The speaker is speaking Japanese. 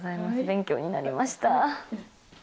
勉強になりました。